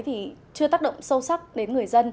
thì chưa tác động sâu sắc đến người dân